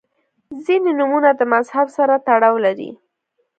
• ځینې نومونه د مذهب سره تړاو لري.